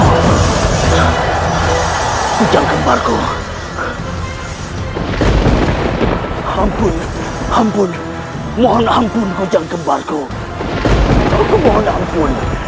aku akan menangkapmu